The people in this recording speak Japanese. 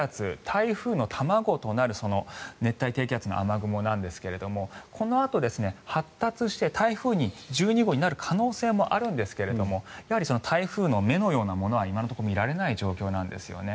台風の卵となる熱帯低気圧の雨雲なんですがこのあと、発達して台風１２号になる可能性もあるんですがやはり台風の目のようなものは今のところ見られない状況なんですよね。